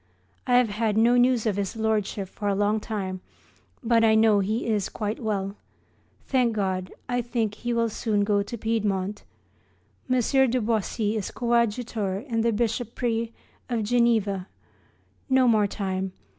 I have had no news of his Lordship for a long time, but I know he is quite well. Thank God, I think he will soon go to Piedmont. M. de Boisy is coadjutor in the bishopric of Geneva. No more time.